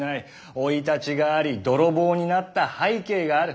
生い立ちがあり泥棒になった背景がある。